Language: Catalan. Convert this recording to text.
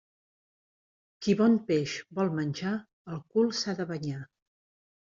Qui bon peix vol menjar, el cul s'ha de banyar.